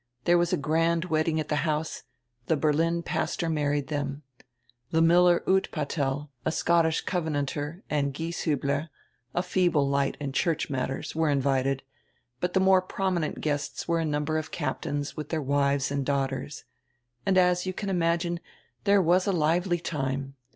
There was a grand wedding at die house, the Berlin pastor married diem. The miller Utpatel, a Scottish Covenanter, and Gieshiibler, a feeble light in church matters, were invited, hut die more prominent guests were a number of captains widi their wives and daughters. And, as you can imagine, diere was a lively time.